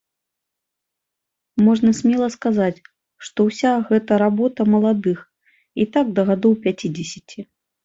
Можна смела сказаць, што ўся гэта работа маладых і так да гадоў пяцідзесяці.